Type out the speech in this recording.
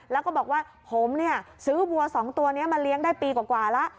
แล้วก็บอกว่าผมเนี่ยซื้อวัว๒ตัวนี้มาเลี้ยงได้ปีกว่าแล้ว